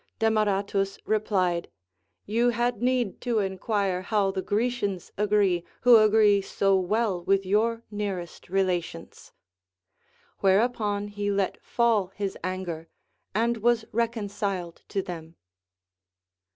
Demaratus repUed : You had need to enquire how the Grecians agree, who aaree so well with your nearest relations. AVhereupon he let fall his anger, and Avas reconciled to them.